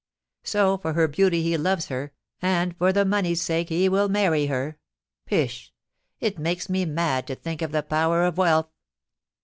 So, for her beauty he loves her, and for the money's sake he will marry her. Pish ! it makes me mad to think of the power of wealth.